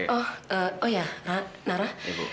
oh oh ya nara